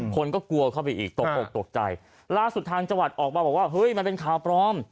คนก็กลัวเข้าไปอีกตกออกตกใจล่าสุดทางจังหวัดออกมาบอกว่าเฮ้ยมันเป็นข่าวปลอม